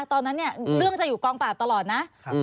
ตอนนั้นเนี่ยเรื่องจะอยู่กองปราบตลอดนะ